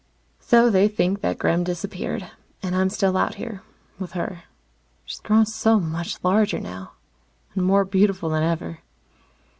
So they think that Gremm disappeared. And I'm still out here with her. She's grown so much larger now, and more beautiful than ever.